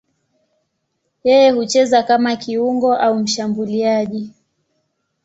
Yeye hucheza kama kiungo au mshambuliaji.